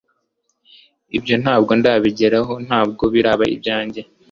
ibyo ntabwo ndabigeraho ntabwo biraba ibyanjye